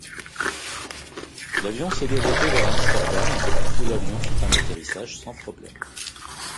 L'avion s'est dérouté vers Amsterdam, où l'avion fit un atterrissage sans problème.